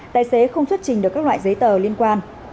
tài xế không xuất trình được các loại giấy tờ liên quan